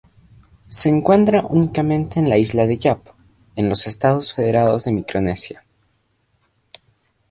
Se encuentra únicamente en la isla de Yap, en los Estados Federados de Micronesia.